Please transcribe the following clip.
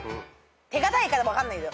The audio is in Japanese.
手堅いか分かんないけど。